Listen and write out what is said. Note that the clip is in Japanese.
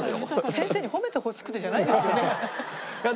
先生に褒めてほしくてじゃないですよね？